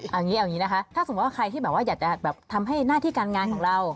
เอาอย่างนี้นะคะถ้าสมมติว่าใครที่อยากจะทำให้หน้าที่การงานของเรา